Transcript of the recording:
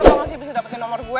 lo gak sih bisa dapetin nomor gue